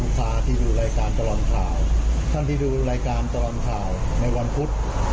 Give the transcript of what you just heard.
พาที่ดูรายการตลอดข่าวท่านที่ดูรายการตลอดข่าวในวันพุธ